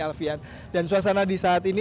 alfian dan suasana di saat ini